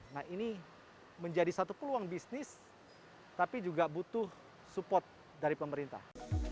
nah ini menjadi satu peluang bisnis tapi juga butuh support dari pemerintah